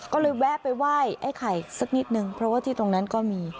ก็เลยแวะไปไหว้ไอ้ไข่สักนิดนึงเพราะว่าที่ตรงนั้นก็มี